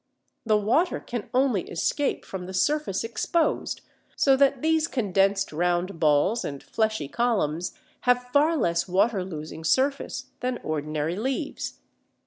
The water can only escape from the surface exposed, so that these condensed round balls and fleshy columns have far less water losing surface than ordinary leaves.